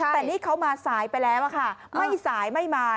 แต่นี่เขามาสายไปแล้วอะค่ะไม่สายไม่มา